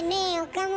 岡村。